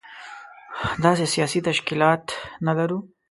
داسې سياسي تشکيلات نه لرو.